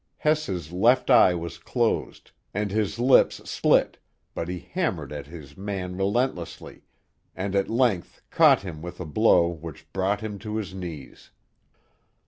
Hess's left eye was closed, and his lips split, but he hammered at his man relentlessly, and at length caught him with a blow which brought him to his knees.